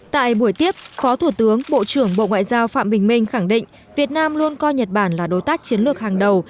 tại buổi tiếp phó thủ tướng bộ trưởng bộ ngoại giao phạm bình minh khẳng định việt nam luôn coi nhật bản là đối tác chiến lược hàng đầu